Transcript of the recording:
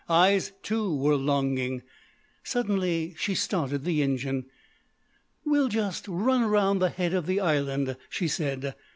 Eyes, too, were longing. Suddenly she started the engine. "We'll just run round the head of the Island," she said.